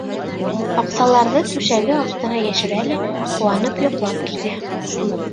Аҡсаларҙы түшәге аҫтына йәшерә лә ҡыуанып йоҡлап китә.